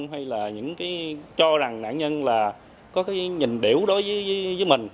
hay là những cái cho rằng nạn nhân là có cái nhìn biểu đối với mình